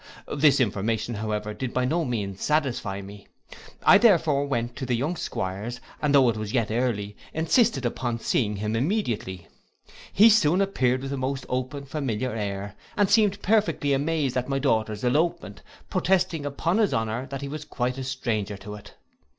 This information, however, did by no means satisfy me. I therefore went to the young 'Squire's, and though it was yet early, insisted upon seeing him immediately: he soon appeared with the most open familiar air, and seemed perfectly amazed at my daughter's elopement, protesting upon his honour that he was quite a stranger to it.